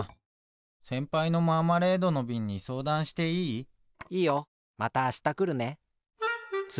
せんぱいのマーマレードのびんにそうだんしていい？いいよ。またあしたくるね。